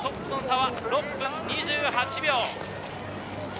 トップとの差は６分２８秒。